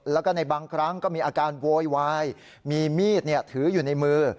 แล้วก็ในบางครั้งก็มีอาการโวยวายมีมีดถืออยู่ในมือ